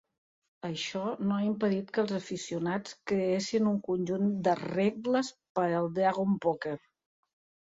Això no ha impedit que els aficionats creessin un conjunt de "Regles per al Dragon Poker".